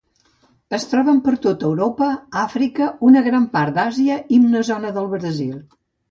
Es troben per tot Europa, Àfrica, una gran part d'Àsia i una zona del Brasil.